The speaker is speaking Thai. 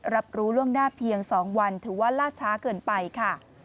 รับรู้ล่วงหน้าเพียง๒วันถือว่าล่าช้าเกินไปค่ะ